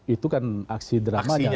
itu kan aksi dramanya